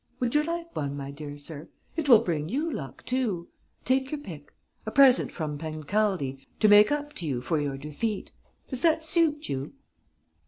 Would you like one, my dear sir? It will bring you luck too. Take your pick! A present from Pancaldi, to make up to you for your defeat! Does that suit you?"